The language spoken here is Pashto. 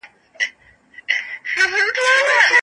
بدنامي ډېره اسانه ده.